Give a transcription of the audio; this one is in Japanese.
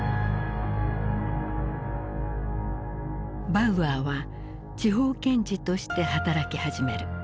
バウアーは地方検事として働き始める。